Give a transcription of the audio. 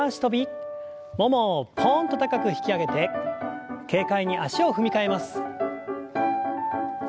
ももをポンと高く引き上げて軽快に足を踏み替えます。